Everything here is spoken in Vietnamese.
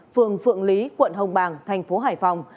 phường phượng lý quận hồng bàng thành phố hải phòng